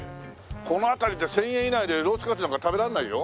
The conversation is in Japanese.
この辺りで１０００円以内でロースカツなんか食べらんないよ。